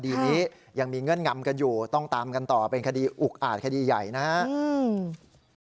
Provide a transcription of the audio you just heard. คดีนี้ยังมีเงื่อนงำกันอยู่ต้องตามกันต่อเป็นคดีอุกอาจคดีใหญ่นะครับ